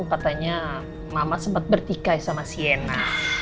katanya mama sempat bertikai sama siena